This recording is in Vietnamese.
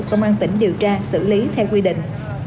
công an tỉnh điều tra xử lý theo quy định